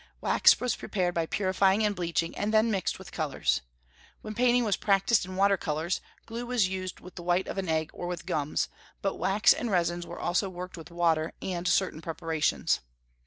Wax was prepared by purifying and bleaching, and then mixed with colors. When painting was practised in watercolors, glue was used with the white of an egg or with gums; but wax and resins were also worked with water, with certain preparations.